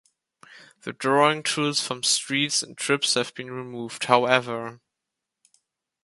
The drawing tools from Streets and Trips have been removed, however.